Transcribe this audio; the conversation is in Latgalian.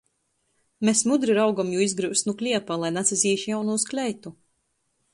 Mes mudri raugom jū izgryust nu kliepa, lai nasazīž jaunūs kleitu.